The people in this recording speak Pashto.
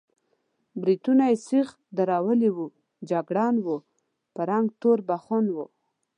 برېتونه یې سېخ درولي وو، جګړن و، په رنګ تور بخون و.